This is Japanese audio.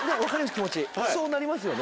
気持ちそうなりますよね。